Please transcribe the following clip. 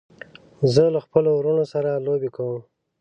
زه له خپلو وروڼو سره لوبې کوم.